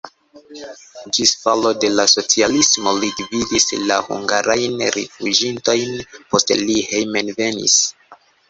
Ĝis falo de la socialismo li gvidis la hungarajn rifuĝintojn, poste li hejmenvenis.